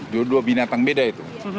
dua dua binatang beda itu